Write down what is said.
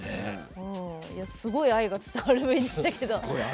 すごい愛が伝わりましたけど。